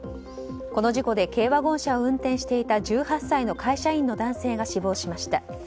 この事故で軽ワゴン車を運転していた１８歳の会社員の男性が死亡しました。